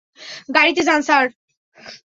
গাড়িতে যান স্যার।